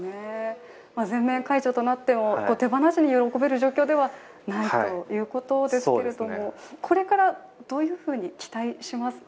全面解除となっても手放しで喜べる状況ではないということですけどこれからどういうふうに期待しますか？